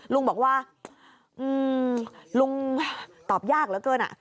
ลุงบอกว่าลุงตอบยากเหลือเกิน